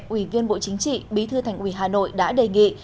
ủy viên bộ chính trị bí thư thành ủy hà nội đã đề nghị